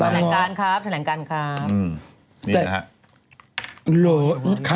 แถลงการครับแถลงการครับ